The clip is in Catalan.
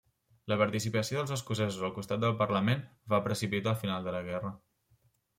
La participació dels escocesos al costat del Parlament, va precipitar el final de la guerra.